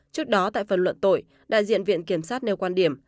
trước đó tại phần luận tội đại diện viện kiểm sát nêu quan điểm